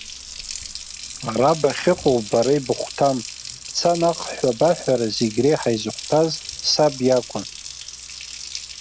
Араҟа бахьыҟоу бара ибыхәҭам, бца наҟ ҳәа баҳәара зегь реиҳа изыхәҭаз саб иакәын.